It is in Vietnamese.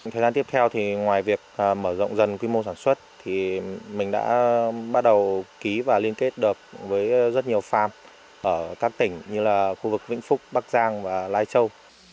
thời gian tiếp theo thì ngoài việc mở rộng dần quy mô sản xuất thì mình đã bắt đầu ký và liên kết được với rất nhiều farm ở các tỉnh như là khu vực vĩnh phúc bắc giang và lai châu